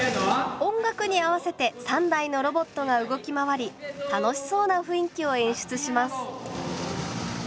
音楽に合わせて３台のロボットが動き回り楽しそうな雰囲気を演出します。